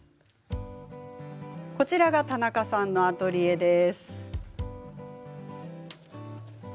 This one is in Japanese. こちらが田中さんのアトリエです。